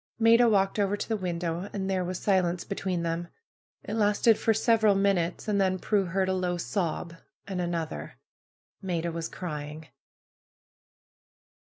Maida walked over to tlie window. And there was silence between them. It lasted for several minutes. And then Prudence heard a low sob, and another. Maida was crying.